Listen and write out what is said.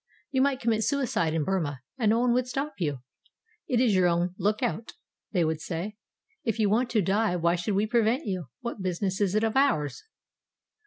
You might commit suicide in Burma, and no one would stop you. 'It is your own look out,' they would say; 'if you want to die why should we prevent you? What business is it of ours?'